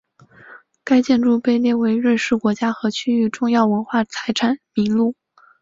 该建筑被列入瑞士国家和区域重要文化财产名录。